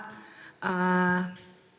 ya selamat sore pak